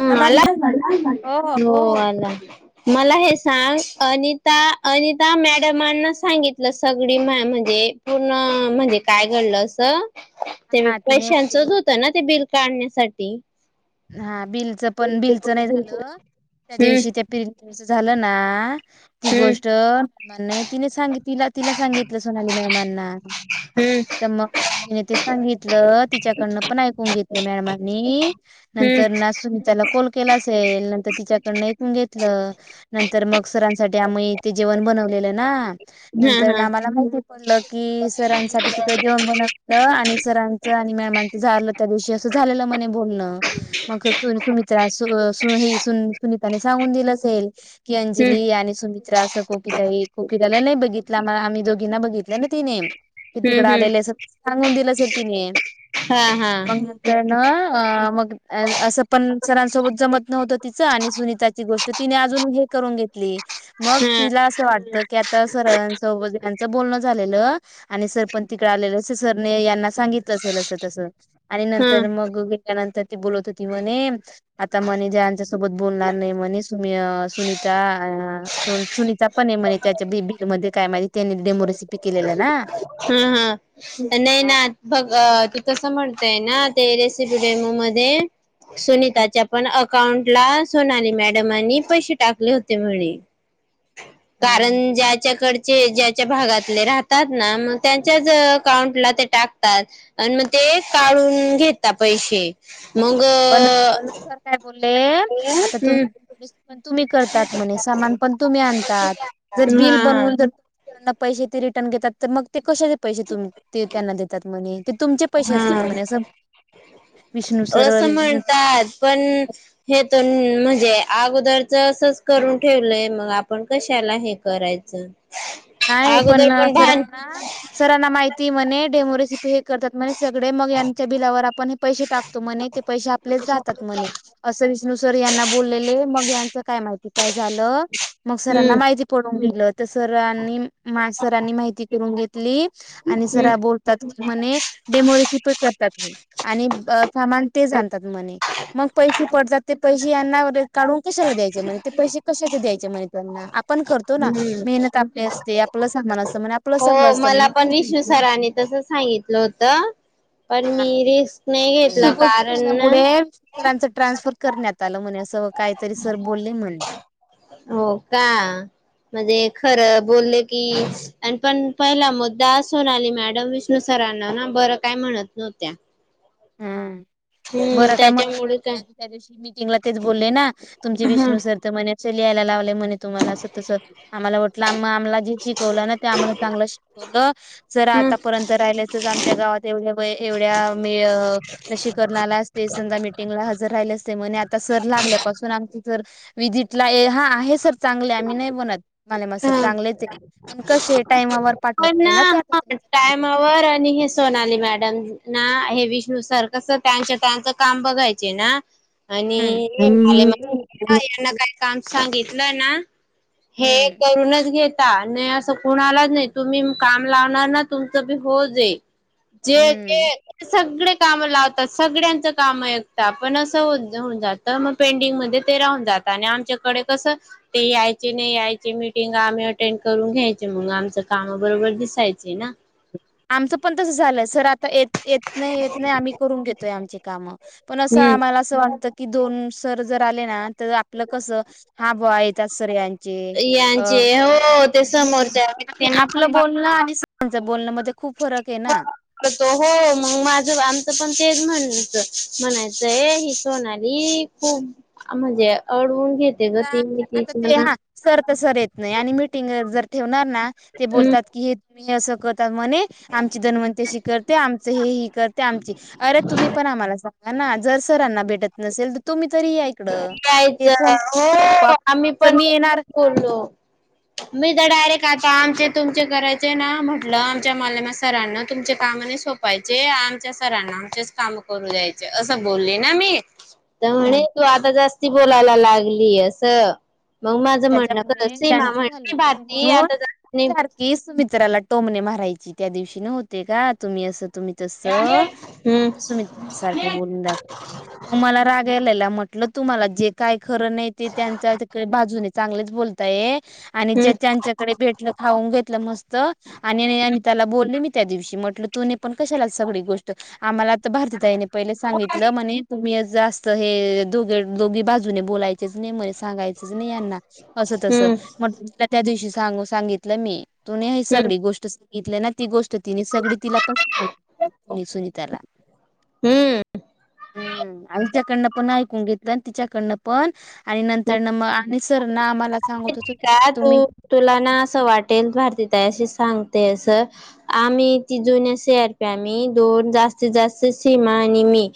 हम्म आबाज आला? हो आला मला हे सांग अनिता अनिता मॅडमांना सांगितलं सगळी म म्हणजे‌ पूर्ण अ म्हणजे काय घडलं असं ते बी हा तिने पैशांचच सांगून होतं ना ते बिल काढण्यासाठी. हा बिलचं पण बिलचं नाही झालं, त्या हम्म दिवशी त्या पिरणी झालं ना ती हम्म गोष्ट मला नाय तिने सांग तिला तिला सांगितलं सोनाली मॅडमांना. तर मग तिने ते सांगित ल तिच्याकडनं पण ऐकून घेतलं मॅडमांनी, नंतरन सुनीताला कोल केला असेल, नंतर तिच्याकडनं ऐकून घेतलं, नंतर मग सरांसाठी आम्ही ते जेवण बनवलं लेलं ना, नंतरन आम्हाला माहिती पडलं की सरांसाठी तिकडं जेवण बनव ल आणि सरांचं आणि मॅमांचं झालं त्या दिवशी असं झालेलं म्हणे बोलणं. मग अ सु सुमित्रा सु सु ही सुनिताने सांगून दिलं असेल. की हम्म अंजली आणि सुमित तर असं कोकि ताई कोकिताला नाही बघितलं आ- आम्ही दोघींना बघितलं ना तिने. कि तिकडं हम्म आलेले सांगून दिल असंलं तिने हा हा मग नंतर न- अ मग अ असं पण सरांसोबत जमत नव्हतं, तिचं आणि सुनीताची गोष्ट तिने अजून हे करून घेत मग हम्म तिला अस वाटलं की आता सरांच सोबत ह्यांचं बोलणं झालेलं. आणि सर पण तिकड आलेलं अस सरने यांना सांगितलं असेल, असं तस आणि हम्म नंतर हम्म मग गेल्यानंतर बोलत होती म्हणे, आता म्हणे सरांच्या सोबत बोलणार नाही म्हणे य सुनीता अ सुन सुनीता पण म्हणे, त्याच्या बिबीज मध्ये काय माहित त्या- त्यांनी डेमो रेसिपी केलेल्या ना. हा हा नाही हा ना, बघ तू कस म्हण ते ना ते रेसिपी डेमो मध्ये सुनीता च्या पण अकाउंट ला सोनाली मॅडमांनी पैसे टाकले, होते म्हणे. हा कारण ज्याच्याकडं चे ज्या ज्या भागतले राहतात ना, तेंच्याचं अकाउंटला ते टाकतात. अण म ते ते काढून घेता पैसे. मग पण काय बोलले, आता हम्म तुम्ही [unintelligible] तुम्ही करतात म्हणे, सामान पण तुम्ही आणतात जर बिल हा बनवून जर त्यांना पैसे ते रिटर्न घेतात, तर मग ते कशाचे पैसे तु -त्यांना देतात म्हणे, ते तुमचे पैसे हा असतात म्हणे हा असं विष्णु सर्व असं विण म्हणतात, पण हे तर म्हणजे. अगोदरच असच करून ठेवलंय, मग आपण कशाला हे करायचा. नाही पण सरांना- सरांना माहिती म्हणे, डेमोरेसिपी हे करतात म्हणे. सगळे मग याच्या बिलावर आपण हे पैसे टाकतो. म्हने ते पैसे आपलेच राहतात म्हणे अस विष्णू सर यांना बोललेले. मग यांच काय माहिती काय झालं. मग सरांना हम्म माहिती पडून दिलं तर सरांनी. माने सरांनी माहिती करून घेतली. आणि हम्म जरा बोलतात म्हणे डेमोरेसन तू ही कर. आणि सामान तेच आनतात म्हणे मग पैसे पडतात. ते पैसे यांना काढून कशाला द्यायचे म्हणे. ते पैसे कशाचे द्यायचे म्हणे त्यांना. पण करतो ना हम्म मेहनत आपली असते आपलं सामान अस आपलं चग हो असत मला म्हण पण विष्णू सरांनी [unintelligible] तसं सांगितलं होतं. पण ह मी रिस्क नाही ही घेतला गोष्ट कारण ना झाल्यामुळेांच ट्रान्सफर करण्यात आलं म्हणे असं काहीतरी सर बोलले म्हणे, हो का, म्हणजे खरं बोलले की पण पहिला मुद्दा असून आली मॅडम विष्णू साहे त्यांना न बर काय म्हणत नव्हत्या हम् हम्म बरं काय म्ह त्याच्यामुळे काय त्या दिवशी मीटिंगला तेच बोलले ना तुमचे हम्म विष्णू सर तर म्हणे [unintelligible] आहेयला म्ह तुम्हाला अस तस आम्हालाट आम्हाला जे शिकवलं ना ते आम्हाला चांग शवलं, जर हम्म आतापर्यंत राहिल्याचच आमच्या गावात एवढ्या व एवढ्या लसीकर्नाला ते समजा मिटिंग हजर राहिले असते म्हणे सर लागल्या पासून आमची, व्हिजिट ला आहे सर चांगले मी नाही म्हणत माले मास्तर हा. चांगले च आहे ते टाइम वर, प पाठवत नाही ना हा टाइमावर आणि, हे सोनाली मॅडम ना हे विष्णू सर कस त्यांच्या त्यांचं काम बघायचे ना आणि हम्म माले आणि यांनाा काम सांगितलं ना हे हम्म करूनच घेता न असं कोणा आलाच नाही तुम्ही काम लावणार ना तुमच बी हो जाई जे हम्म ज सगळे काम लावतात सगळ्यांच काम एकत पण असं हो होऊन जात मग पेंडिंग मध्ये ते राहन जात आणि आमच्याकडे कस ते यायचे नाही यायचे मीटिंग आम्ही अटेंड करून घ्यायचे मग आमच कामा बरोबर दिसायचे ना आमचं पण तसं झालंय सर आता येत येत नाही येत नाही आम्ही करून घेतोय आमची काम पण असं हम्म आम्हाला असं वाटत की दोन सर जर आले ना, तर आपलं कस हाबवा येतात स््रियांचे अ, यांचे हो ते समोरच्या आणि व्यक्तींना आपलं पण बोलण आणि सर चाय बोलण्या म, तो हो मग माझं आमचं पण, तेच म्हणच म्हणायचंय ही सोनाली खूप म्हणजे अडवून घेते ग ती ती आता ते म्हणा हा सर तर सर येत, नाही आणि मीटिंग जर ठेवणार ना ते हम्म बोलतात की हे तुम्ही हे असं कर तर मन्हे आमची जणवंती अशी करते आमच हे ही करते आमची अरे, तुम्ही पण आम्हाला सांगा. जर सरांना भेटत नसेल तर तुम्ही, तरी या इकडं हे कायचं फोन केले ना हो आपोआप आम्ही तर मी येणार पणलो मी [unintelligible] डायरेक्ट आता आमचे तुमचे करायचे ना म्हटलं आमच्या मालमा सरांना तुमच्या कामाने सोपायचे, जे आमच्या सरांना आमचेच काम करू दयचे असं बोलले ना मी तर म्हणे तू आता हम्म जास्ती बोलायला लागली असं. मग माझं म्हणणं त्याच्यामुळे सीमा जाच म्हण झाले भाती म्हणून आता जास्त नाही सारखे सु मित्राला टोमने मा, रायची त्या दिवशी न होते का तुम्ही अस, तुम्ही तस हम्म सुमित्राला सारखे बोलून दाखयचे त मला रागायला म्हटलं तुम्हाला जे काय खरं नाही ते त्यांचाडे बाजूने चांगलेच बोलताय आणि ज्या हम्म जच्याकडे भेटलं खाऊन घेतलं मस्त आणि अनिताला बोलले मी त्या दिवशी म्हटलं तुने पण कशाला सगळी गोष्ट आम्हाला आता भारतीताईने पहिले सांगितलं म्हणे तुम्ही जास्त हे दोघे दोघी बाजूने बोलायचेच नाही म्हणे सांगायचच नाही यांना असं तसं हम्म म्हट तुला त्या दिवशी सांगू सांगितलं मी तु हम्म सगळी गोष्ट, बघितल्या ना ती गोष्ट तिने सगळी तिला पण सांगून सुनीताला, हम्म. हम्म आच्या पण ऐकून घेत तिच्याकडन, पण आणि नंतर सर ना आम्हाला सांगत होत ठी तू तुम्ही तुला ना असं वाटेल भारती सांगते अस आम्ही ती जुन्या अस हरप आम्ही दोन जास्तीत जास्त सीमा आणि मी,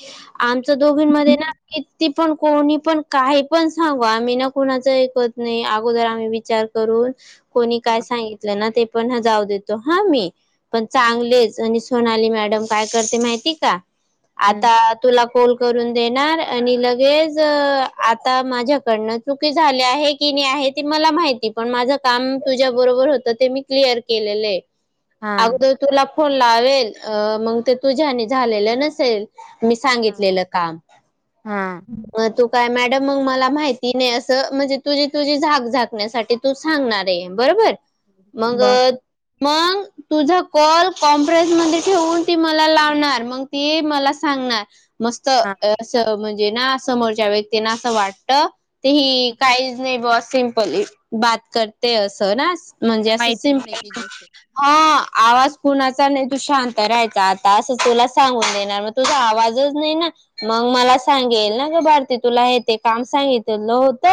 आमच दोघीं मध्ये ना किती पण कोणी पण काही पण सांगू आम्ही ना कुणाच ऐकत नाही, अगोदर आम्ही विचार करून कोणी काय हा सांगितलं ना ते पण जाऊ देतो हं आम्ही, पण चांगलेच आणि सोनाली मॅडम काय करते माहिती का? हम्म, आता तुला कॉल करून देणार आणि लगेच आता माझ्याकडन चुकी झाली आहे की नाही मला माहिती, पण माझं काम तुझ्या बरोबर होत ते मी क्लिअर केलेले. हा अगोदर तुला फोन लावेल, अ मग ते तुझ्यानी झालेलं नसेल. मी हा सांगितलेलं काम, हा म तू काय म मग मला माहिती नाही असं म्हणजे तुझी तुझी झाक झाकण्यासाठी तू सांगणार आहे बरोबर? मग बघ मग तुझा कॉल कॉम्फरेन्स मध्ये ठेवून, ती मला लावणार मग ती मला सांगणार मस्त हा अस म्हणजे ना समोरच्या व्यक्तीना असं वाटत ते ही काहीच नाही ब सिमपल बात करते असं ना म्हणजे त्या असं माहितीच नाही ती सिम्पल गोष्ट हा आवाज कुणाचा नाही तू शांत राहायचा, आता असं तुला सांगून देणार मग तुझा आवाजच नाही ना मग मला सांगेल ना ग भारती तुला हे ते काम सांगितलेलं होत,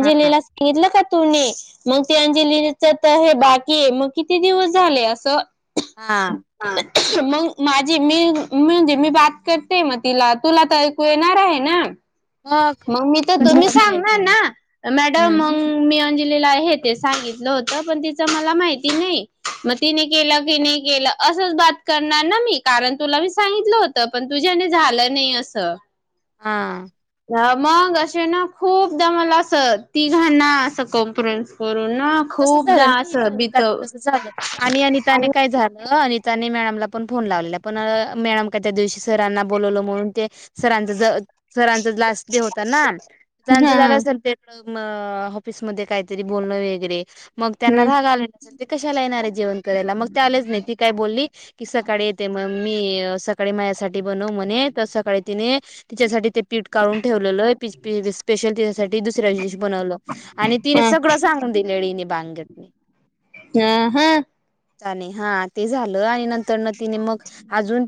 हा सांगितलं का तुने? मग ते हा अंजलीच तर हे बाकी आहे मग किती दिवस झाले असं हा. हा मग माझी मी म्हणजे मी बात करते मग तिला तुला तर ऐकू येणार आहे ना? मग मी तर तुम्ही कशाला नाही सांगणार ऐकून घेत ना मॅडम हम्म मग मी अंजलीला हे ते सांगितलं होत पण, तिचं मला माहिती नाही. मग तिने केलं की नाही केलं असच बात करणार ना मी, कारण तुला मी सांगितलं होत पण तुझ्याचेनी झालं नाही अस. हा. मग असे ना खूपदा मला असं तीघा ना असं कॉम्फरन्स करून. ना तसच खूपदा झालं ना असं बित अनिताच तस आणि झालं आणि अनिताने काय झालं अनिता [unintelligible] अनिताने मॅडमला पण फोन लावलेला, पण मॅडम का त्या दिवशी सरांना बोलवलं म्हणून ते सरांच ज सरांचा लास्ट डे होता ना त्यांच हा हा झालं सर ऑफिसमध्ये काहीतरी बोलण वगैरे मग त्यांना हम्म राग आलेेल ते कशाला येणार आहे जेवण करायला मग ते आलेच नाही, ती काय बोलली की सकाळी येते मग मी सकाळी माझ्यासाठी बनव म्हणे तर सकाळी तिने तिच्यासाठी पीठ काढून ठेवलेल आहे स्पेशल ठी दुस्या बनवल आणि तिने सगळं सांगून दिले बांगेतने हा हा. हा ते झालं आणि नंतर ना तिने मग अजून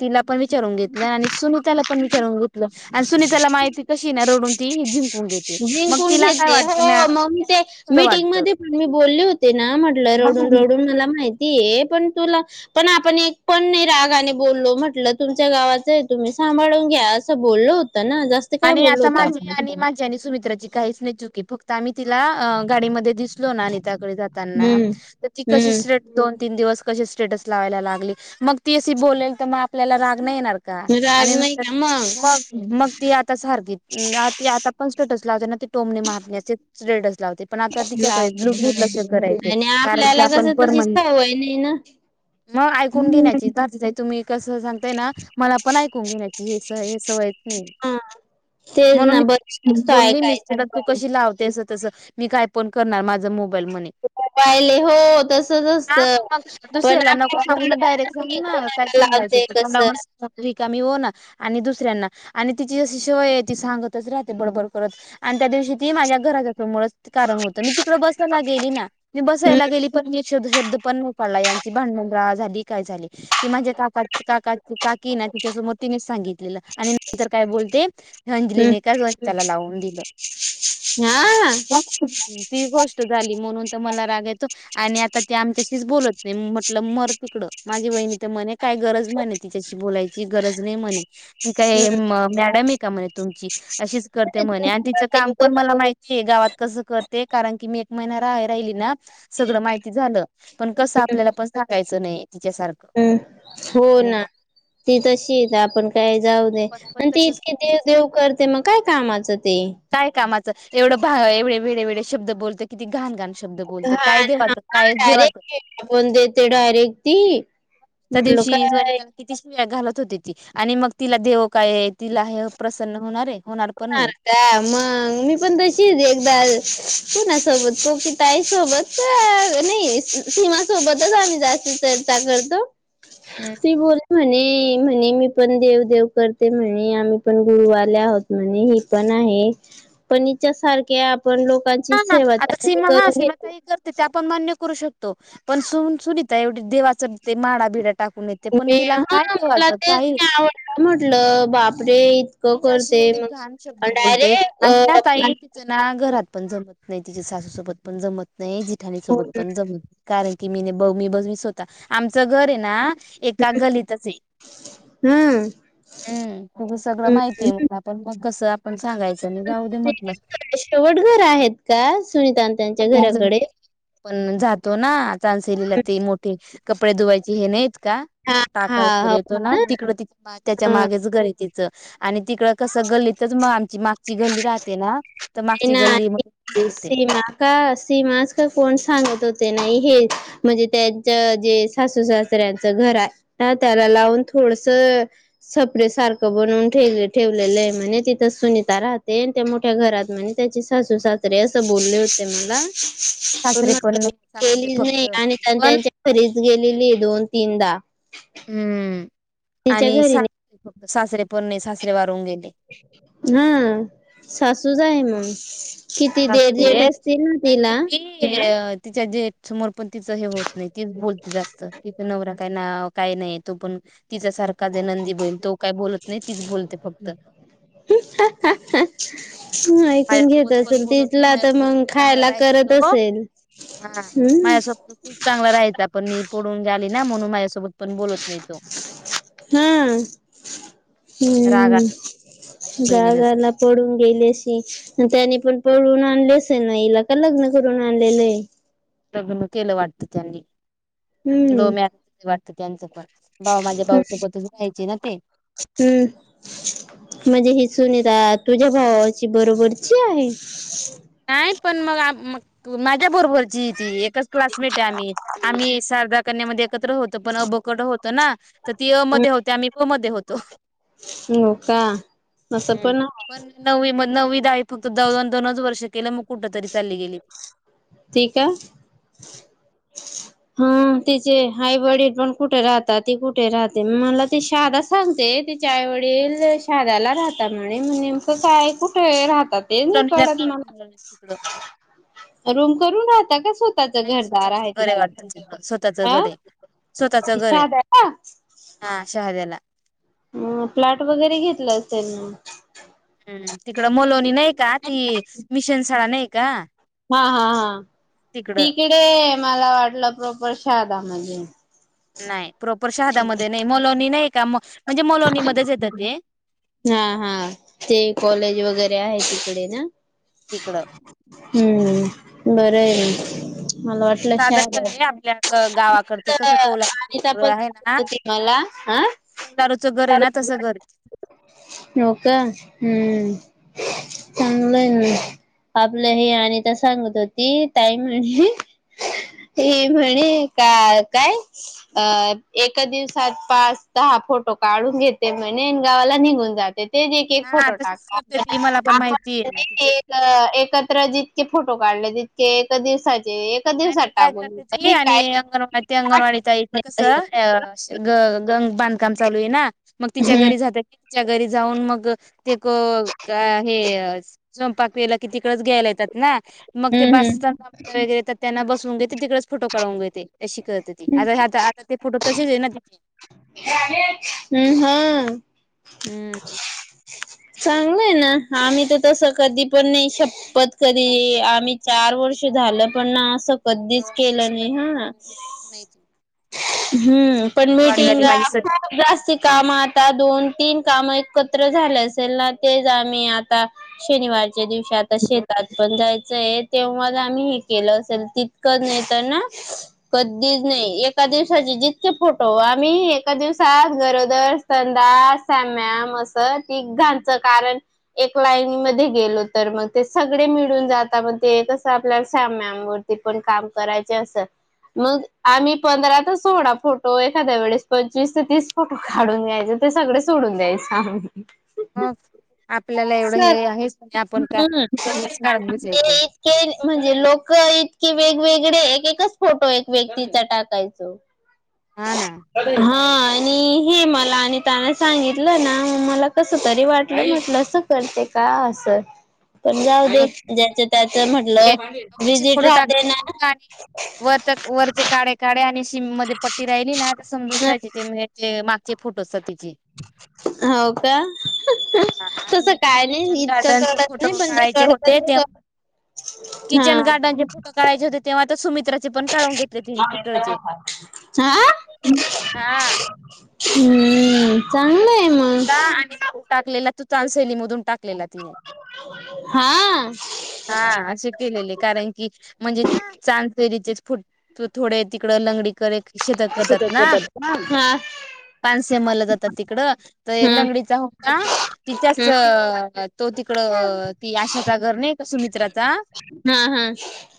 तिला पण विचारून घेतला आणि सुनीताला पण विचारून घेतल सुनीताला माहिती कशी ना रडून ती जिरून घेते मग जिंकून तिला काय घेते वाटतं ना हो मग मी ते मीटिंग वाटतं मध्ये मी बोलले होते ना म्हटलं रडून रडून मला माहिती ये पण तुला पण आपण एक पण नाही रागाने बोललो म्हटलं तुमच्या गावाचं आहे, तुम्ही सांभाळून घ्या असं बोलल होत आणि आता माझी आणि माझी आणि सुमित्राची काहीच नाही चुकी फक्त आम्ही तिला गाडीमध्ये दिसलो ना आणिताकडे जातना, हम्म तर ती कशी हम्म स्ट्रेट तीन दिवस कशी स्टेटस लावायला लागली मग ती अशी बोलेल तर मग आपल्याला राग नाही येणार का आणि राग नाही नर का मग मग? ती आता सारखी ती आता पण स्टेटस लावते ना, ते टोमने मारण्याचे स्टेटस लावते पण आता तिच्याकडे ब्लू लावते बु ल हम्म करायचे आणि कारण क आपल्याला आपण कसं तशी परमन सवय नाही ना [unintelligible] मग ऐकून हम्म घेण्याची तुम्ही कसं सांगताय ना मला पण ऐकून घेण्याची हे हे सवय सवयच नाही. हा तेच म्हणून ना बरं मी असतो बोलली मीस ऐकायचं तू पण कशी लावते अस तसं मी काय पण करणार माझा मोबाईल म्हणे. मोबाईल आहे, हो तसच हा असतं. पण मग पण दुसऱ्याला नको आपल्याला सांगुन कळत डायरेक्ट सांगू की ना काय कोणाला सांगायच. लावते कसं. नमस्त पब्लिक [unintelligible] म्ही हो ना आणि दुसऱ्यांना आणि तिचीशी सिवाय आहे ती सांगतच राहते बडबर करत त्या दिवशी ती माझ्या घराच्या समोरच कारण होतं मी तिकडं बसायला गेली ना मी हम्म बसायला गेली पण शब्द पण मुपडला यांची भांडण रा झाली. ती काय झाली ते माझे काका काकी ना तिच्या समोर तिने सांगितलं आणि नंतर काय बोलते हम्म अंजलीने का ज त्याला लावून दिलं हा ती गोष्ट झाली म्हणूनत म मला रागायेतो आणि आता ते आमच्याशीच बोलत नाही म्हटलं मर तिकडं माझी वहिणी तर म्हणे काय गरज म्हणे तिच्याशी बोलायची गरज नाही म्हणे मी काय हम्म. मॅडम आहे का म्हणे तुमची असंच करते म्हणे तिच काम पण मला माहितीय आहे गावात कस कर ते कारण की मी एक महिना राहा राहिली ना सगळं माहिती झालं पण कसं आपल्याला पण सांगायचं नाहीय. हम्म हो ना ती तशी येत तर आपण काय जाऊ पण पण आणि ते तसच इतकी देव तिच्यासारखं देव करते मग काय कामाचं ते काय कामाचं एवढं एवे वेळे वेळे शब्द बोलतं किती घाण घाण शब्द बोलते हा काय ह देवाचं कायच देवाचं डायरेक्ट फोन देते डायरेक्ट ती त्या म्हटल दिवशी काय वनिताला किती घालत होते ती आणि मग तिला देव काय आहे तिला हे प्रसन्न होणार आहे. पण नाही. होणार का मग मी पण तशीच एकदा कुणासोबत कोकिताईसोबत नाही सीमा सोबतच आम्ही जास्त तर करतो ती बोल म्हणे म्हणे मी पण देव देव करते म्हणे आम्ही पण गुरुवाले आहोत म्हणे ही पण आहे पण हच्या सारखे आपण लोक हा आता सीमा हा सीमा काही करते ते आपण मान्य करू शकतो पण सु सुनीत एवढे देवाच ते माडा भिडा मी ह मला तेच काही नाही आवड म्हटलं बापरे इतकं ती अशी करते एवढी मग घाण शब्द बोलते डायरेक्ट आणि ना ताई अ, तिच ना घरात पण जमत नाही ति सासू सोबत पण जमत नाही जिठाणी सोबत पण जमत नाही कारण की मी मी बघीतल स्वता आमचं घर आहे ना एका गलीतच आहे. हम्म हम्म, तु सगळं हम्म माहितीय आपण मग कस आप सांगायचं जाऊदे ते म्हटलं. शेवट घर आहेत का सुनीतान त्यांच्या घराकडे? पण जातो ना चाान्सलेला ते मोठी कपडे धुवायचे हे नाहीत का हा हा टाका वगैरे हो येतो ना तिकड त त्याच्या हा मागेच घर आहे च आणि तिकडं कसं गल्लीतच मग आमची मागची गल्ली राहते ना. तर ते मागसी गल्ली नाही म सगते सीमा का सीमास का कोण सांगत होते नाही हे म्हणजे त्यांच जे सासू सास त्यांचं घर आहे त्याला लागून थोडसं सफरे सारखं बनवून ठेवल ठेव ठेवलेलं आहे म्हणे तिथं सुनीता राहते त्या मोठ्या घरात म्हणे त्याची सासूसासरे अस बोलले होते म्हण प म सासरे पण म नाही सासरे केलीच फक्त नाही आणि पण त्यांच्या घरीच गेलेली दोन तीनदा. हम्म. तिच्या आणि घरी सासरे फक्त सासरे परणे सासरे वारून गेले. हा सासूज आहे मग किती देर झेट सासरे असतील ना आणि तिला? ती अ तिच्या जेठ समोर पण तिचं हे होत नाही तीच बोलते जास्त तिचा नवरा काय नाव काही नाही तू पण... तिच्या सारखा जे नंदी बईल तो काय बोलत नाही तीच बोलते फक्त... ह हा ह.. ह ऐकून माझ्यासोबत घेत पण असेल बोलत नाही तिथला तर माझ्यासोबत मग खूप चांगला खायला राहायचा करत असेल हम्.... शेवटी खूप चांगला राह पण मी पडून गली ना म्हणून माझ्यासोबत... पण बोलत नाही तो.... हा राग हम्म आला माझी बहिणीन जागाला पडून गेले त्यानी पण पळून आणलेस आहे ना हिला का लग्न करून आणलेलं आहे... लग्न केलं वाटतं त्यांनी लव मॅरेज वाटत त्यांचं पण... भाऊ माझ्या ह भाऊ सोबतच राहायचे ना ते हम्म म्हजे हिसून येत..... तुझ्या भावाची बरोबरची आहे. नाही पण म माझ्या बरोबरची ती एकच क्लासमेट आम्ही आम्ही... कन्यामध्ये एकत्र होत पण अ बकड होत ना तर ती अ मध्ये होती आम्ही प मध्ये होतो... हो का असं ह आहे पण नववी मग नववी दवी फक्त द दोन दोनच वर्ष... केला मग कुठ तरी चालली गेली... ती का हा तिचे आई वडील पण कुठे राहतात ती कुठे राहते मला ती शादा सांगते. तिच्या वडील शादाला राहतात म्हणे नेमकं काय कुठंय राह.. ते नहीं लोणीला कळत मला राहतात तिकडं रूम करून राहता का? नाही घरदार स्वतः आहे बरे तिकडे वाटल.. स्वतःच हा घर हे स्वतःच घर हे साधा का हा शहाद्याला... हम प्लॅट वगैरे घेतलं अस त्यांनी... हम्म तिकडं मोलोनी नाही का ती मिशन शाळा नाही का हा हा हा तिकडं तिकडे मला वाटलं प्रॉपर शादा माजे... नाही प्रॉपर शहादा्यामध्ये नाही मलोणी नाही का म्हणजे मलोणीमध्येच येतात ते... हा हा ते कॉलेज वगैरे आहे तिकडे ना... तिकडं हम्म बरं आहे ना... मला वाटलं साधं घर शाडा आहे आपल्या ग- गावाकडचं कसं कौलांच घर पण आहे ना. सांगत होती मला हा तारोचं घर आहे ना तसं घर.. नोका हम्म.. [unintelligible] चांगलंय आपलं हे आणिता सांगत होती ताई म्हनली.. ए भळी... का काय अ ए दिवसात पाच दहा फोटो काढून घेते म्हणे.. नेन गावाला निघून जाते. ते एक एक हा फोटो तशीच टाका करते ती मला पण आपण माहिती आहे ना तिची एकत्र जी.. इतके फोटो काढलेत इतके एका दिवसाचे एका दिवसात आणि काय टाकून देऊ करते ती ठीक आणि आहे. अंगणवाडी ते अंगणवाडीचा इथे कसं ग अ बांधकाम चालू आहे ना.. मग तिच्या हम्म घरी जाते तिच्या घरी जाऊन मग ते क का हे स्वयंपाक.. पाक केला तिकडंच घ्यायला येतात ना मग ते हम्म बस हम्म स्टँडवर... बसवून घेते तिकडेच फोटो काढवून घेते अशी करते ती आता आताता ते फोटो तसेच आहे ना तिचे... हम्म हा.. हम्म... चांगलय ना आम्ही तर तस कधी पण नाही शक... प्पत तर बापरे कधी आम्ही चार वर्ष गेले झालं पण ना असं कधीच केलं आम्ही नाही हां... नाही त... हम्म पण मीटिंगा सग खूप जास्ती काम आता दोन तीन काम.... एकत्र झाले असेल ना तेच आम्ही आता शनिवारच्या दिवशी आता शेतात पण.... जायचय तेव्हाला आम्ही हे केलं असेल तितकं नाही तर ना कधीच नाही एक... एका दिवसाचे जितके फोटो आम्ही एका दिवसात गरोदर संडास साम्या.. तिघांच कारण एक लाईन मधी गेलो तर मग ते सगळे मिळून जातात. मग ते कस आपल्याला [unintelligible] वरती पण काम करायच अस मग आम्ही पंधरा तर सोळा फोटो एखाद्या वेळेस पंचवीस ते तीस फोटो काढून घ्यायचे ते सगळे सोडून द्यायचे. [inaudible] हो आपल्याला एवढ हे सर आहेच नाही आपण काय हम्म [unintelligible] काढत ते बसायच. इतके म्हणजे लोक इतके वेगवेग इकडे एकेकच फोटो एक व्यक्तीचा टाकायचो. हा ना हां [inaudible] हे मला आणि त्याना सांगितलं ना म मला कस तरी वाटल म्हटल अस करते का अस. पण जाऊ दे ज्याच त्याच म्हटल विजिट राहते ना. वरत वरचे काळे काळे आणि मध्ये पट्टी राहिली तर ना समजून जायचे ते म्हणजे ते मागचे फोटोस ते हो का तस आणि काय किचन नाही इतक गार्डनचे कळत फोटो नाही काढायचे होते ते प ण [unintelligible] किचन हां गार्डनचे फोटो काढायचे होते तेव्हा तर सुमित्राचे पण काढून घेतले तिने तिकडचे [unintelligible] हा हा हम्म. चांगलं आहे मग. आणि टाकला तू टाकलेला चाल सैलीमधून टाकलेला तिने. हा. हा असे केलेले कारण की म्हणजे चांद फेरीचेच फुटतो थोडे तिकड लंगडी कर एक शेत करतात ना हा. पानसे मल जातात ति कड त हं. लंगडीचा होता तिच्याच हं. तो तिकड ती आशाचा घर नाही क सुमित्राचा हा हा.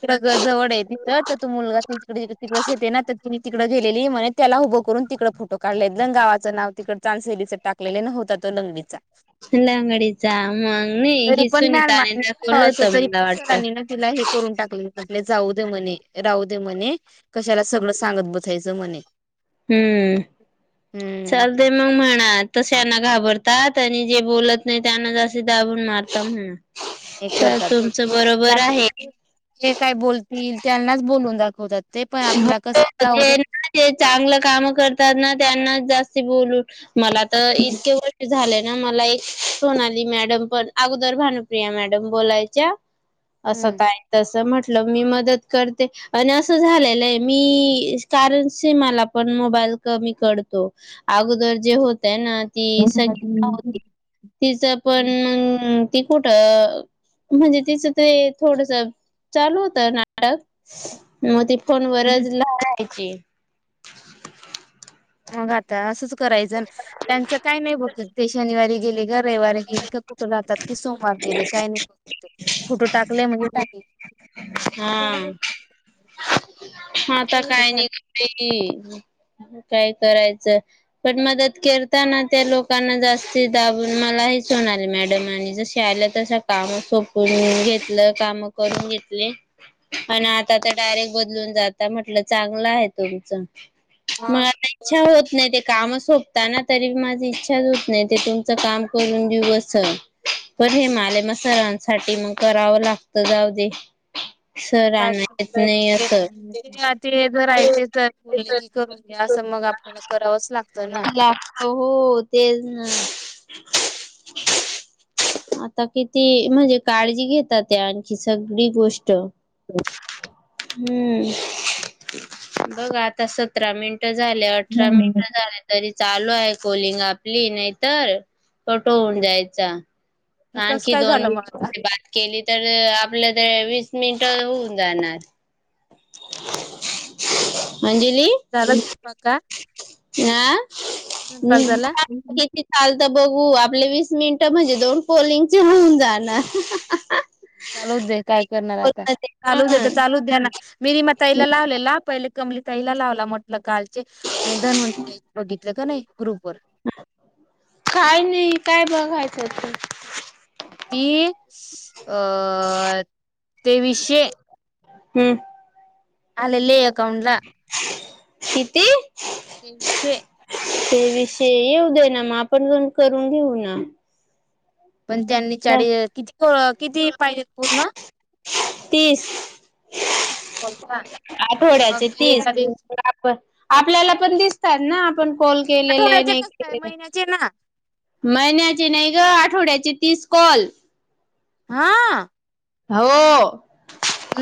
तिकड घर जवळ आहे ते. तर तर तो मुलगा तिकडे तिकडे शेते ना तर तिनी तिकड गेलेली म्हणे त्याला उभं करून तिकडं फोटो काढलेत जा गावाच नाव तिकड चार शैलीचा टाकलेल न होता तो लंगवी चा. लंगडीचा मग नाही तरी हे पण सुनीताने दाखवलं होतं [unintelligible] तरी पण मला वाटतं. सरांनी ना तिला खाली करून टाकले. आपले जाऊ दे म्हणे राहू दे म्हणे कशाला सगळ सांगत बसायच म्हणे. हम्म हम्म चालतय मग मा ना तश्याना घा हे करतात त्याना आहे. जे काय बोलतील त्यांनाच बोलून दाखवतात. ते पण हो आपला कस जाऊ दे ते चांगल काम करतात ना त्यांनाच जास्त बोलून मला तर इतके वर्ष झालेत. ना मला एक सोनाली मॅडम पण अगोदर भानुप्रिया मॅडम बोलायच्या. अस हम्म काय तस म्हटल मी मदत करते आणि अस कस झालेलं आहे मी कारण मला पण मोबाईल कमी कळतो अगोदर होतय ना ति [unintelligible] तिच पण ति कुठ अ. ‌ म्हणजे तिच ते थोडस चालू होत नाटक मग ती फोन वरच [unintelligible] मग आता असंच करायच त्यांच काय नाही बघत ते शनिवारी गेले का रविवारी गेले कुठ राहतात की सोमवार गेले काय नाही फुटो टाकले म्हणजे टाक हम्म हा आता काय नाही [unintelligible] काय करायच पण मदत करताना त्या लोकांना जास्ती दाबून म नाही सोनाली मॅडमांनी जस आल तस काम संपवून घेतल काम करून घेतल. -आता तर डायरेक्ट बदलून जात म्हटल चांगल आहे तुमच-मग आता इच्छा होत नाही ते काम सोपताना तरी माझी इच्छाच होत नाही. ते तुमच काम करून देऊ अस. पण [unintelligible] म सरांसाठी मग कराव लागत जाऊ देे. सर काय [unintelligible] नाही ते अस- ते जर ऐ ते तर बोलले कि करून घ्या असं मग आपल्याला करावंच लागत ना. हो हो तेच-ना आता किती म्हणजे काळजी घेतात, ते आणखी सगळी गोष्ट हम्म बघ आता सतरा मिनट झाले अठरा मीटर झाले तरी चालू आहे, कोलिंग आपली नाहीतर व, कट होऊन जायचा. हे कसं आणखी काय झालं मग आता दोन-बात केली तर आपल्या तर वीस मिनिट होऊन जाणार. झाला स्वयंपाक? ह चाल स्वयंपाक झाला? [unintelligible] आता बघू आपले वीस मिनिट म्हणजे दोन कॉलिंग चे होऊन जाणार. चालूच दे काय करणार आता चालुदे तर चालू द्या ना [unintelligible] लावलेला- क तला लाव म्हट [unintelligible] आणि धन म्हण बघितलं का नाही ग्रुप वर ततत [unintelligible] ती अं.. तेवीसशे हम्म. आलेले अकाउंटला किती? तेवीसशे. ते विषय येऊ दे ना, मग आपण पण करून घेऊ ना. पण त्यांनी चाळी किती किती पाहिजे पूर्ण? - -तीस. कॉल का आठवड्याचे मग तीस एका दिवस आपण आपल्याला पण दिसतात ना, आपण कॉल केलेले, आठवड्याचे नाही कस काय केलेले? महिन्याचे ना महिन्याची नाही ग, आठवड्याची तीस कॉल. हा. हो.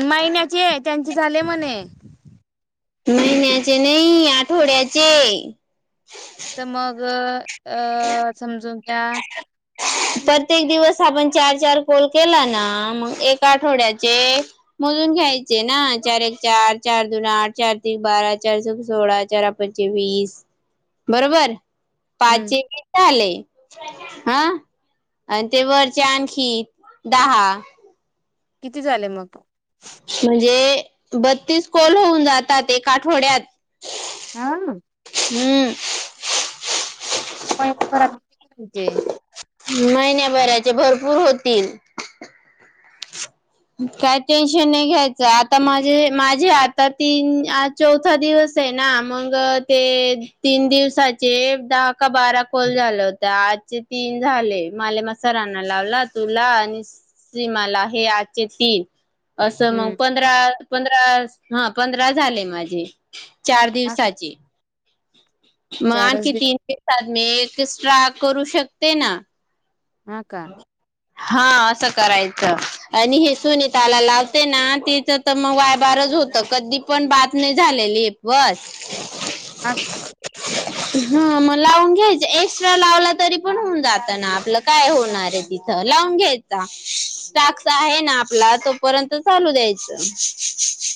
महिन्याचे त्यांचे झाले म्हणे महिन्याचे नाही, आठवड्याचे. तर मग अं अं.. समजून प्रत्येक दिवस आपण चार चार कॉल केला ना, मग एक आठवड्याचे मोजून घ्यायचे ना चार एके चार चार दोन आठ त्रिक बारा चार चोक सोळा चार पै [unintelligible] वीस बरोबर हम्म [unintelligible] - हा आणि ते वरचे आणखी, दहा- किती झाले मग? म्हणजे बत्तीस कोल होऊन जातात एक आठवड्यात. हा. हम्म. [inaudible] महिन्याभराचे भरपूर होतील. काय टेन्शन नाही घ्यायचं. आता माझे माझे आता तीन आज चौथा दिवस. ना, मग ते तीन दिवसाचे दहा का बारा काँल झाला होता- आजचे तीन झाले. माले म सराना लावला तुला आणी सीमाला हे आजचे तीन, असं मग हम्म पंधरा, पंधरा हा पंधरा झाले माझे. चार हा का दिवसाची. मग चारच आणखी तीन दिवस दिवसात मी एकस्ट्रा करू शकते ना. हा का? हा असं करायचं आणि हे सुनीताला लावते ना तिच तर मग वायबार होत कधी पण बात नाही झालेली बस. हा का हा मग लावून घ्यायच. एक्स्ट्रा लावला तरी पण होऊन जात ना आपलं काय होऊन. [unintelligible] तिथ लावून घ्यायचा.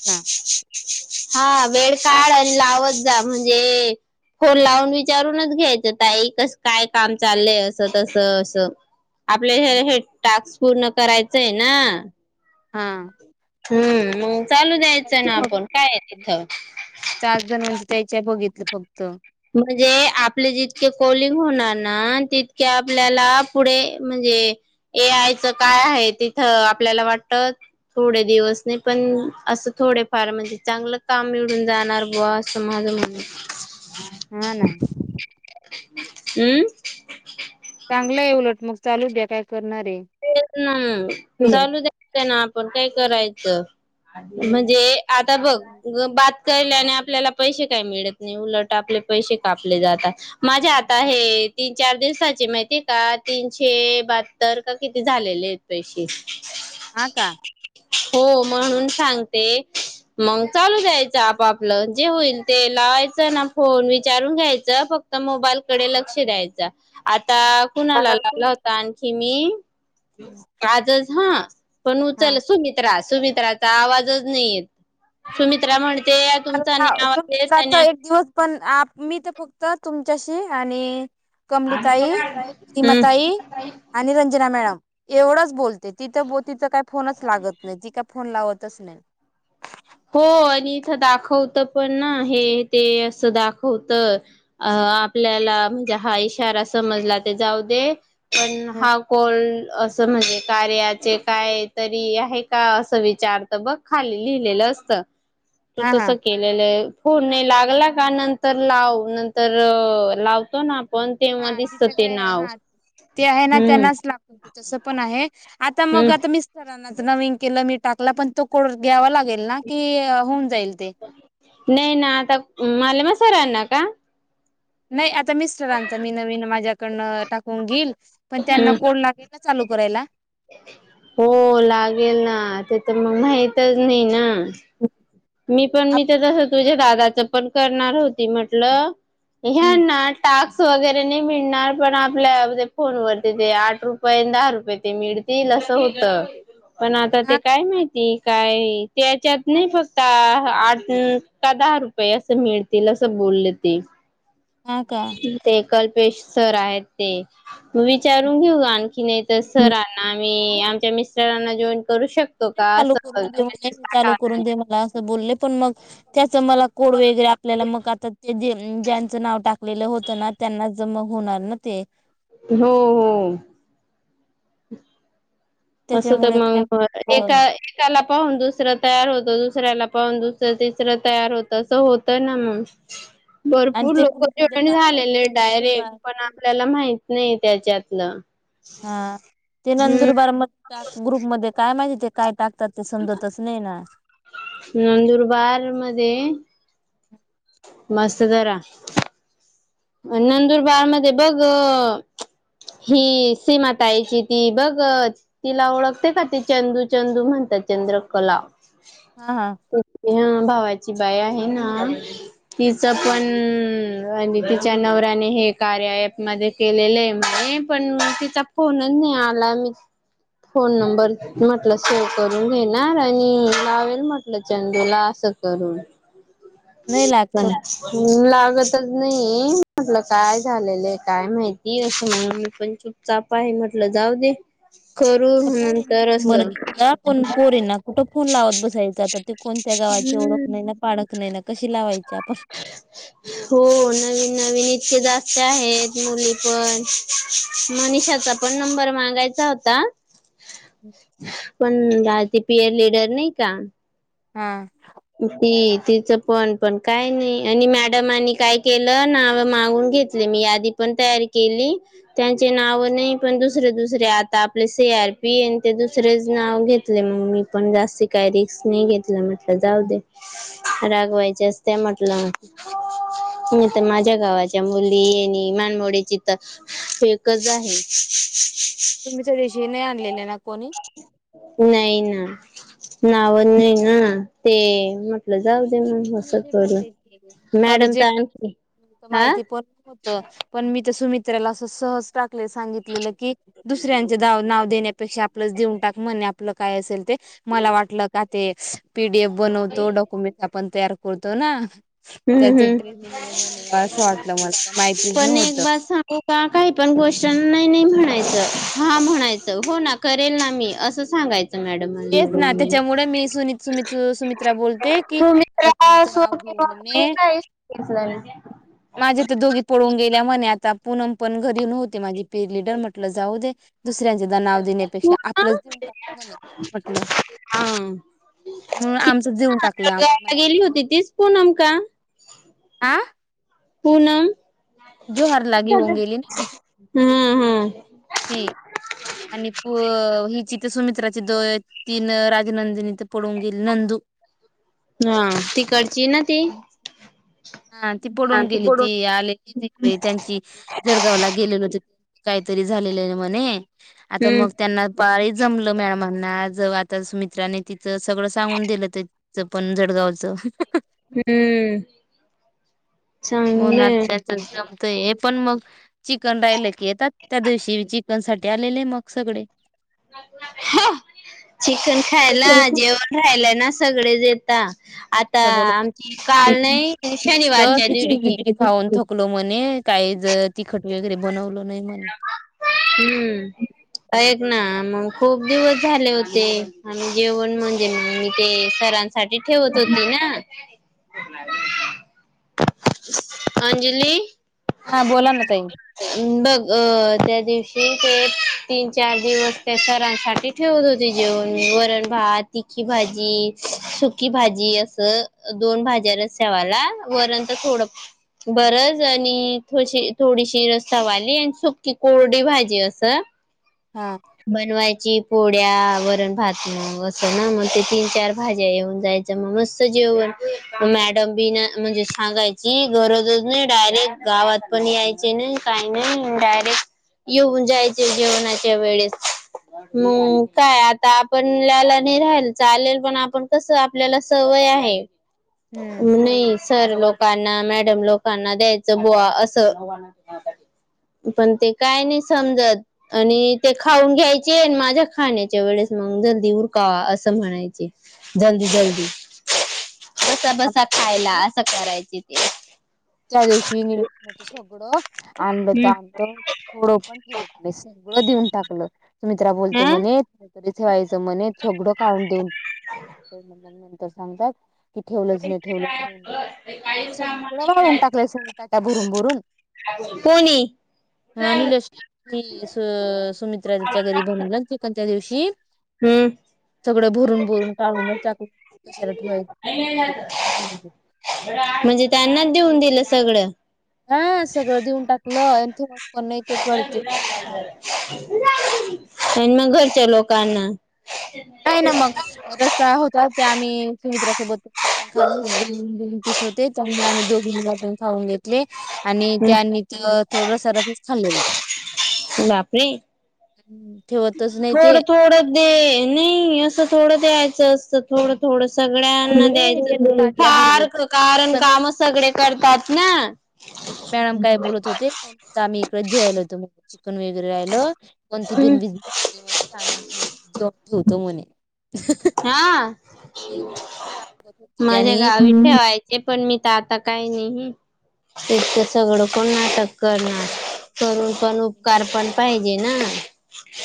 हा. [inaudible] फोन लावून विचारूनच घ्यायचं, ताई कस काय काम चाललंय असं तस असं. आपल्या हे हे टास्क पूर्ण करायचंय ना. हा. हम्म मग चालू दयायच, त्याचे ना फक्त आपण काय आहे तिथं. चार जणांचे त्याच्या बघितलं फक्त. म्हणजे आपले जितके कोलिंग होणार ना तितके आपल्याला पुढे म्हण म्हणजे ऐ आयचं काय आहे तिथं, आपल्याला वाटत थोडे दिवस नाही पण. असं थोडेफार म्हणजे, चांगलं काम निवडून जाणार बुवा असं माझं म्हण हा ना. अम. चांगलं आहे उलट मग चालू द्या काय. करणार आहे तेचं ना चालू द्यायचं, ना आपण काय करायचं. म्हणजे आता बघ गं बात बात केल्याने आपल्याला पैसे काही मिळत नाही उलट आपले पैसे कापले जातात. माझे आता हे तीन चार दिवसाचे माहिती आहेका. तीनशे बात्तर तर किती झालेले आहेत पैशे. हा का. हो म्हणून सांगते. मग चालू द्यायचं आपापलं जे होईल ते, लावायचं ना फोन विचारून घ्यायच फक्त मोबाईलकडे लक्ष द्यायच. आत आता कुणाला लावला होता, आणखी मी आजच हा. पण हा उचल सुमित्रा सुमित्राचा आवाजच नाही येत सुमित्रा म्हणते. [unintelligible] तुमचा नाही आवाज येत कमली आहे ना ताई, हम्म. ते तिथं भो तिच काय फोनच लागत नाही, ती काय फोन लावतच नाही. हो.. आणि इथं दाखवत पण ना, हे ते असं दाखवत अ आपल्याला म्हणजे, हा इशारा समजला ते जाऊ दे पण हा कोल असं म्हणजे कार्याचे काय तरी आहे. का असं विचार त बघ खाली लिहिलेलं असत. [unintelligible] तू हा तस हा केलेलं फोन नाही लागला का नंतर लाव, नंतर लावतो ना पण तेव्हा हा दिसत ते जिच्याकडे नाव हा ते आहे ना हम्म त्यांनाच लागतो तस पण आहे. आता हम्म. मग आता मिस्टरांनाच नवीन केलं मी टाकला पण तो कोड घ्यावा लागेल ना की होऊन जाईल ते नाही ना आता मलम सरांना का? नाही आता मिस्टरांचा मी नवीन माझ्याकडनं टाकून घेईल. पण त्यांना हम्म कोड लागेल ना चालू करायला. हो लागेल ना, ते तर मग माहितच नाही ना. [unintelligible] मी पण मी आपण तर तसं तुझ्या हे हम्म. ना टाक्स वगैरे. नाही मिळणार पण आपल्या फोनवरती ते आठ रुपये दहा रुपये ते मिळतील असं होत पण आता ते हा का. काय माहिती, काय त्याच्यात नाही फक्त. आठ का दहा रुपये असं मिळतील. असं बोलले ते, ह का. ते कल्पेश सर आहेत. ते विचारून घेऊ आणखी एका सरांना, मी आमच्या मिस्टरांना घेवून, ते चालू करून दे म्हणे. हे टाकावा चालू करून दे लागेल मला असं बोलले पण मग, त्याचं मला कोड वगैरे आपल्याला मग आता ते, लेलं होतं ना त्यांना जमा होणार ना ते हो हो. [unintelligible] तसं त त्याच्यामुळे काय मग हो. एका एकाला पाहून दुसरं तयार हो दुसऱ्याला पाहून दुसरं तिसरं तयार होत असं होत ना मग आणि भरपूर ते लोकं ग्रुपमध्ये जॉईन काय माहिती झालेले ते डायरेक्ट नंदुरबार पण आपल्याला माहित नाही त्यच्यातलं हा ते नंदुरबार म ग्रुपमध्येध्ये काय माहिती ते काय टाक तर ते समजतच नई ना. नंदुरबार मध्ये मस्त जरा. नंदुरबार मध्ये बग ही सीमाताईची ती बघ तिला ओळखते का ती चंदू चंदू म्हण तर चंद्रकला... हा हा ह्या भावाची ती बाई आहे ना तिच पण [unintelligible] च्या नवऱ्याने हे कार्या अँप मध्ये केलेलए म्हने पण मग तिचा फोनच नाई आला. [inaudible] फोन नंबर म्हटल सेव्ह करून घेणार आणि लावेल म्हटलं चंदूला. अस करून. नाही लागत बोला. लागतच. नाही म्हटलं काय झालेलं आहे. काय माहिती असं म्हणून मी पण चुपचाप आहे. म्हटलं जाऊ दे. करू त्या पोरींचा नंतर नंबर असं घेतला. पण पोरींना कुठं फोन लावत बसायच आता ते कोणत्या गावाची. ओळख नाही. ना पाडक नाही. ना क हो नवीन नवीन इतके जा. आहेत. मुली पण मनिषाचा पण नंबर मागायचा होता. [unintelligible] पण डाल ती पीयर लिडर नाही का? हा आ. ते तिच पण पण काय नाही. आणि मॅडमानी काय केल नाव मागून. घेतले. मी आधी पण तयारी केली, त्याचे नाव नाही पण दुसरे दुसरे आता आपले सेफ. ते आर पी येन ते दुसरेच नाव घेतले. मग मी पण जास्तीत काही रिक्स नाही घेतली. मग जाऊ दे रागवायचे असते. म्हटलं [unintelligible] मी तर माझ्या गावाच्या मुली येणी मानमोडची तर [unintelligible] एकच आहे. तुम्हीच्या दिवशी नाही, आणलेले ना कोणी नाही ना नाव नाही. ना ते मग म्हटलं जाऊ दे मग अस पण ते बोलले की करून मॅडम अर्जंट काय माहिती पण होत. पण मी तर सुमित्राला अस सहज टाक. सांगितलेलं की, दुसऱ्यांचे दाव नाव देण्यापेक्षा आपलंच देऊन टाक म्हणे, आपलं काय असेल ते. मला वाटलं का ते पीडीएफ बनवतो डॉकुमेंट आपण तयार करतो ना हम्म त्याचे हम्म. ट्रेनिंग म्हणे असं वाटलं मला काय माहितीच पण नव्हत एक बार सांगू का काही पण गोष्टींन नही नही म्हणा [unintelligible] हा म्हणायचं हो ना करेल ना मी असं सांगायचं मॅडमांना. तेच ना त्याच्यामुळे मी सुनी सुमिच सुमित्रा बोलते की तुम्ही तर आता कुणाचं असो नाव घेऊ किंवा कोणी म्हणे. काही सांगितलं नाही. माझ्या त दोघी पळून गेल्या म्ह आता पुूनम पण घरी नव्हती माझी [unintelligible] जाऊ दे दुसऱ्यांच द नाव देण्यापेक्षा पूनम आपलंच देऊन टाक म्हणे म्हटलं हा अ म्हणून ती आमचं ना देऊन टाकलं आपल्या आम गावाला माहिती गेली पण होती तीच पूनम का? आ पुनम जोहार ला घेऊन गेली ना ती हा हा ती आणि पु अ हिची सुमित्राची दो तीन राजनंदिनी ती पळून गेली नंदू आ तिकडची ना ती हा ती पडून गेली ती आल्याची त्यांची जळगावला गेलेलो ती काहीतरी झालेलेलं म्हणे आता हम्म मग त्यांना पाळी जमलं मॅमांना ज तिचं सगळं सुमित्राने सगळं सांगून दिलं पण तिचं जडगावचं हम्म उन्हात चांगलंय त्याचं जमतंय ये पण मग चिकन राहिल की येतात त्या दिवशी चिकन साठी आलेले मग सगळे ह्या चिकन खायला असं जेवण राहिल ना सगळेच येता आता बोलत आमची होते काल नाही तिकडं शनिवारच्या दिवशी त्यो म्हणे काही ज तिखट वगैरे बनवलं नाही म्हणे पप्पा हम्म आयेत ना मग खूप दिवस झाले होते आणि जेवण म्हणजे मी न ते सरां साठी ठेवत होते ना अंजली हा बोला ना ताई बघ अ त्या दिवशी ते तीन चार दिवस त्या सरांसाठी ठेवत होती जेवण मी वरण भात तिखी भाजी सुकी भाजी असं अ दोन भाज्या रस्सा वाल वरणत थोडं बरच आणि थोईशी थोडीशी रस्सा वाली सुक्की कोरडी भाजी असं हा बनवायची पोळ्या वरण-भात मग असं ना मग तीन-चार भाज्या येऊन जायच मग मस्त जेवण मॅडम बी ना म्हणजे सांगायची गरज नई डायरेक्ट गावात पण यायचे नाही काय नाही डायरेक्ट येऊन जायचे जेवणाच्या वेळेस [inaudible] म काय आता आपल्याला नाही राहिला चालेल आपण कस आपल्याला सवय हाय हम्म काय नाही सर लोक कांना मॅडम लोकांना द्यायचं बुवा असं पण ते काय नयी समजत आणि ते खाऊन घ्यायचे आणि माझ्या खाण्याच्या वेळेस मग जल्दी उरका असं म्हणायचे जल्दी जल्दी [inaudible] बसा त्या बसा खायला दिवशी असं करायचे ते त्या दिवशी मी सगळं आणलं तर आणलं थोडं पण ठेवलं नाही सगळं देऊन टाकलं सुमित्रा बोलते हं म्हणे तरी ठेवायचं म्हणे सगळं काढून देऊन टाकलं सांगतात की ठेवलंच नाही ठेवलंच नाही सगळं वा हे सगळ टाका भरून भरून. कोणी हा निलेश सुमित्राच्या घरी बनला त्या दिवशी हम्म. सगळं भरून भरून काढूनच टाकून कशासाठी ठेवायच म्हणजे त्यांनाच देऊन दिलं सगळं हा सगळं देऊन टाकलं आणि ते मग. पण नाही आणि मग घरच्या लोकांना नाही ना मग कसा होता त्या आम्ही सुमित्रासोबत खाल दोन पिस होते त्यांनी आम्ही दोघीनी लाटण खऊून घेतले आणि हम्म त्यानीच थोडं सरसच खाल्लेलं. बाप रे ठेवतच नाही थोड ते थोड दे नाही असं थोडं दयचं असत थोडं थोड सगळ्यांना द्यायचं ताटल्या भरपूर फार कारण काम सगळे करतात ना मॅडम काय बोलत होतेण आम्ही इकडेच जेवायला येतो म्हणून. चिकन वगैरे राहिलं कोणती बिन म्ह जे ठेवत म्हणे. हा हम्म सांगत होती माझ्या आणि गावी ठे हम्म. व्हायचे पण मी आता काही नाही तकं सगळं कोण नाटक करणार त्याने माझ्यासोबत करून एक पण मैत्रिणीला उपकार पण घेऊन आले पाहिजे ना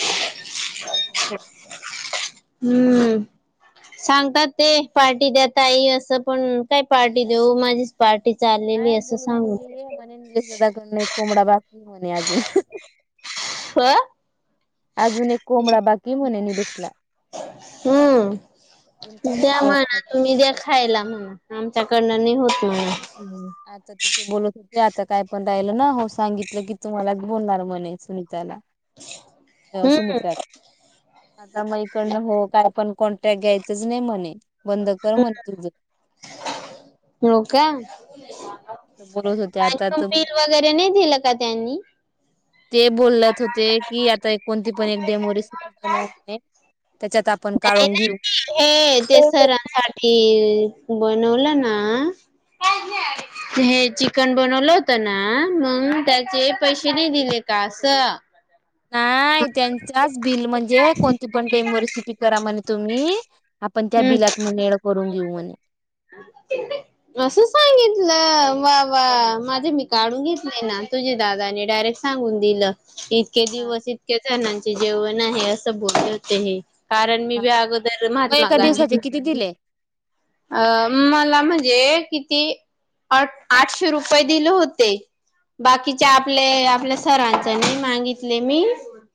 हा, एक- एक- एक- हम्म सांगतात ते पार्टी दया ताई असं पण काय पार्टी देऊ माझीच पार्टी चाललेली नाहीय असं बोलून सांगून गेलीय म्हणे निलेशदाकडन एक कोंबडा बाकली म्हणे अजून. ह. अजून एक कोंबडा बाकी म्हनी दिसला हम्म कोणता द्या कोंबडा म्हणा बाकी तुम्ही काय द्या माहिती खायला म्हण आमच्याकडनं नाही होत. म्हणा हम्म आता तर ते बोलत होते आता काय पण राहिलं ना हो सांगितलं की तुम्हालाच बोलणार म्हणे सुनीताला. हम्म सुमित्रात आता म इकडनं हो काय पण कॉन्ट्रॅक्ट घ्यायचंच नाही म्हणे बंद कर म्हणे तुझं. हो का हा, असं बोलत होते आता तर बिल वगैरे नाही दिलं का त्यां आणि ते बोलत होते की आता कोणती पण एक डेमो रेसिपी बनव म्हणे. त्याच्यात आपण नाही काढून घेऊ. हे देसरांसाठी बनवलं ना [unintelligible] हे चिकन बनवलं होत ना मग त्याचे पैसे नाही दिले का असं. नाही त्यांचाच बिल म्हणजे कोणती पण टेम वेसिपी करा म्हणे तुम्ही. आपण त्या हम्म बिलात म मेळ करून घेऊ म्हणे. असं सांगितलं वा वा माझे मी काढून घेतले ना. तुझ्या दादानी डायरेक्ट सांगून दिलं इतके दिवस इतके जाना जेवण आहे असं बोलेहोते हे. कारण मी बी अगोदर मग महात्मा एका गांधी दिवसाचे किती दिले? अं मला म्हणजे किती अ आठशे रुपये दिले होते. बाकीच्या आपल्या आपल्या सरांच नाही मागितले मी.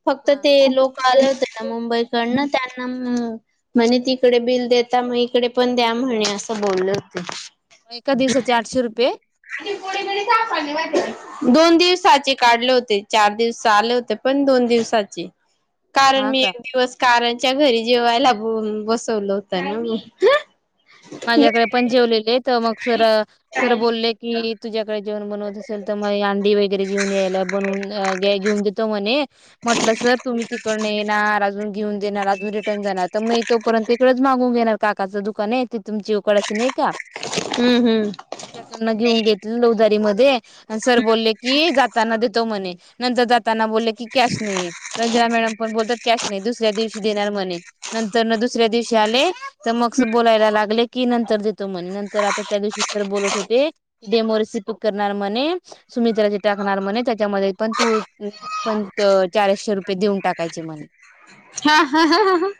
फक्त ते लोक आले मग होते ना मुंबईकडनं त्यांना म्हणे तिकडे बिल देता मग इकडे पण द्या म्हणे असं बोलल होते. एका दिवसाचे आठशे रुपये आणि गोळी गळी सापवाने वा दोन दिवसाचे काढले होते चार दिवस आले होते पण दोन दिवसाचे कारण हा मी का? एक दिवस कारणच्या घरी जेवायला बसवल होतं ना म माझ्याकडे पणजेवलेले तर मग सर सर बोलले की तुझ्याकडे जेवण बनवत असेल तर म अंडी वगैरे घेऊन यायला बनून घेऊन देतो म्हणे म्हटलं सर तुम्ही तिकडन येणार अजून घेऊन देणार अजून रे जाणार तर मग तोपर्यंत इकडच मागून घेणार काकाचं दुकान आहे त तुमची उकडाची नाही का हम्म हम्म त्याकडन घेऊन घेतले नवदारी मध्ये सर बोलले की जात ना देतो म्हणे नंतर जातना बोलले की कॅश नाही रंजिरा मॅडम पण बोलत कॅश नाही दुसऱ्या दिवशी नंतर दुसऱ्या दिवशी आले तर मग बोलाय ला नंतर आ त्या दिवशी बत होतेम करणार मित्राचे टाकणार म्हणे त्याच्यामध्ये पण तू पण चारसशे रुपये देऊन टाकायचे म्हणे हा.. हा.. हा..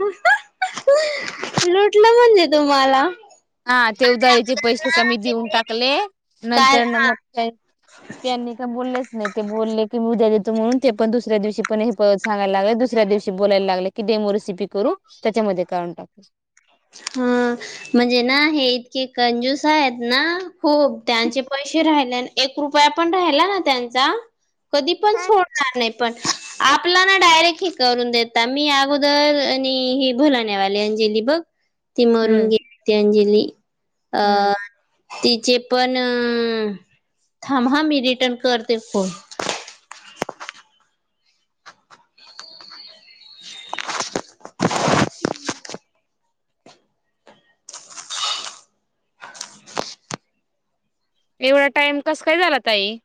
लुटलं म्हणजे तुम्हाला हा ते उदा जे अगोदर पैसे ना कमी देऊन किती टाकले कार नंतर हा मग त्यांनी का बोलले नाही ते बोलले की उद्या देतो म्हणून ते पण दुसर्यादिवशी पण हेत सांगयला लागले दुसऱ्या दिवशी बोय लाग की रेसिपी करू त्याच्यामध्ये काडून टाकू हा म्हणजे ना हे इतके कंजूस आहेत ना खूप त्यांचे पण रा की पण नाही पण सोडणार आपला ना डायरेक्ट हे करून देता मी अगोदर आणि ह बुलाण्यावाले अंजली बघ ती मरून हम्म गेलीती अंजली हम्म अं तिचे पण थांब मी हा मी रिटर्न करते फोन एवढा टाइम कस काय झाला ताई